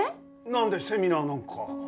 なんでセミナーなんか？